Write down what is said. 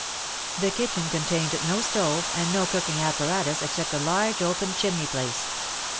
The kitchen contained no stove, and no cooking apparatus except a large open chimney place.